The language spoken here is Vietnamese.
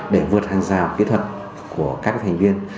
để vượt hàng rào kỹ thuật của các thành viên